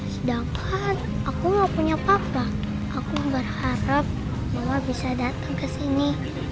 sedangkan aku gak punya papa aku berharap mama bisa datang kesini